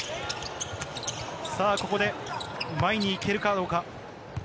ここで前に行けるかどうか。